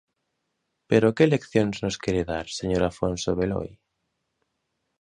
¡Pero que leccións nos quere dar, señor Afonso Beloi!